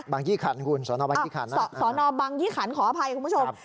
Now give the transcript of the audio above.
ยี่ขันคุณสนบางยี่ขันสอนอบังยี่ขันขออภัยคุณผู้ชม